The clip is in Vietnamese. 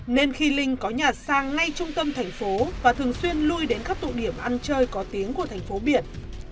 nên khi linh có nhà sang ngay trung tâm thành phố và thường xuyên lui đến các tụ điểm ăn chơi có tiếng của thành phố biển